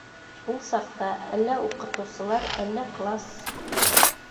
Ул саҡта, әллә уҡытыусылар, әллә класс